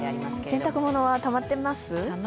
洗濯物はたまってます？